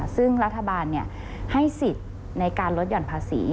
ซึ่งรัฐบาลให้สิทธิ์ในการลดหย่อนภาษี